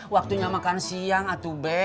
waktunya makan siang atuh be